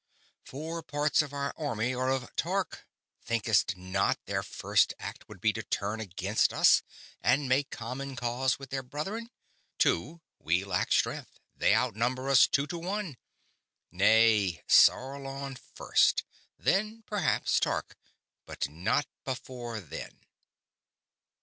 Four parts of our army are of Tark thinkst not their first act would be to turn against us and make common cause with their brethren? Too, we lack strength, they outnumber us two to one. Nay. Sarlon first. Then, perhaps, Tark; but not before then."